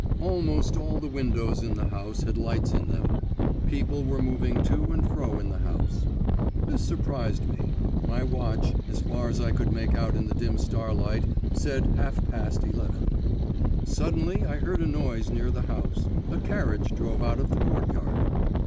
Almost all the windows in the house had lights in them; people were moving to and fro in the house. This surprised me; my watch, as far as I could make out in the dim starlight, said half past eleven. Suddenly I heard a noise near the house; a carriage drove out of the courtyard.